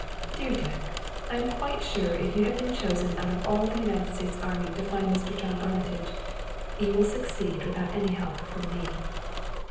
"Dear Dick, I am quite sure that if you have been chosen out of all the United States army to find Mr. John Armitage, you will succeed without any help from me."